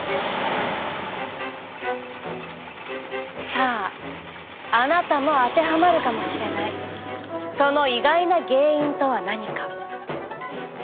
さああなたも当てはまるかもしれないその意外な原因とは何か？